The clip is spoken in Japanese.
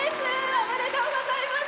おめでとうございます。